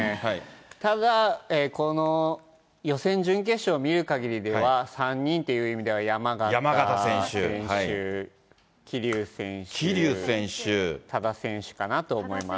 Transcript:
ただ、この予選、準決勝を見るかぎりでは、３人という意味では、山縣選手、桐生選手、多田選手かなと思います。